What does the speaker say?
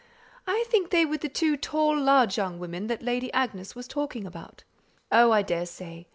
"I think they were the two tall large young women that Lady Agnes was talking about." "Oh, I daresay.